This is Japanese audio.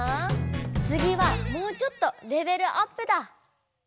つぎはもうちょっとレベルアップだ！